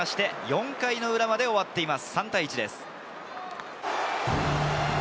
４回表まで終わっています。